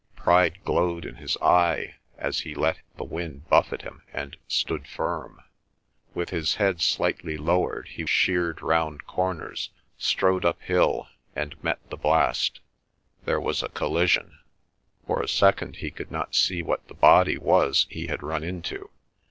Pride glowed in his eye as he let the wind buffet him and stood firm. With his head slightly lowered he sheered round corners, strode uphill, and met the blast. There was a collision. For a second he could not see what the body was he had run into.